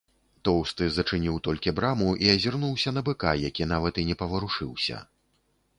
Тоўсты зачыніў толькі браму і азірнуўся на быка, які нават і не паварушыўся.